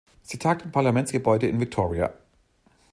Sie tagt im Parlamentsgebäude in Victoria.